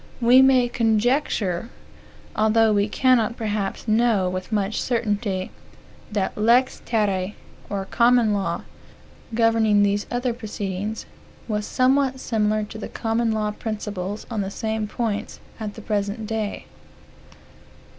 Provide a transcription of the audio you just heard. We may conjecture, although we cannot perhaps know with much certainty, that the lex terrae, or common law, governing these other proceedings, was somewhat similar to the common law principle, on the same points, at the present day.